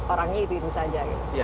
orangnya itu saja